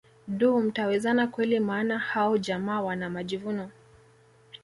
Duh mtawezana kweli maana hao jamaa wana majivuno